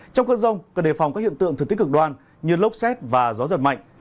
trong cơn rông cần đề phòng các hiện tượng thực tích cực đoan như lốc xét và gió giật mạnh